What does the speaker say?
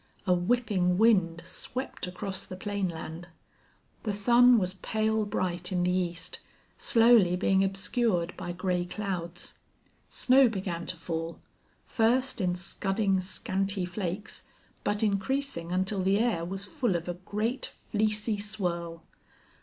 A whipping wind swept across the plain land. The sun was pale bright in the east, slowly being obscured by gray clouds. Snow began to fall, first in scudding, scanty flakes, but increasing until the air was full of a great, fleecy swirl.